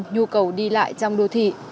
nhu cầu đi lại trong đô thị